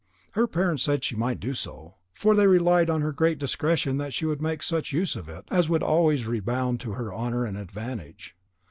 Her parents said she might do so, for they relied on her great discretion that she would make such use of it as would always redound to her honour and advantage.